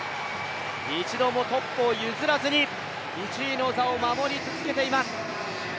一度もトップを譲らずに１位の座を守り続けています。